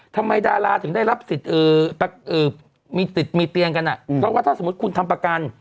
ดาราถึงได้รับสิทธิ์มีติดมีเตียงกันเพราะว่าถ้าสมมุติคุณทำประกัน